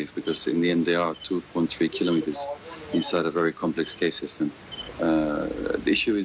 เพราะว่าพวกมันต้องกลับมาใน๓วัน